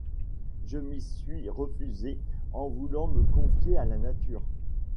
Je m’y suis refusée en voulant me confier à la nature.